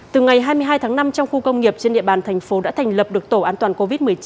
từ ngày hai mươi hai tháng năm trong khu công nghiệp trên địa bàn thành phố đã thành lập được tổ an toàn covid một mươi chín